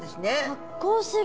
発光する。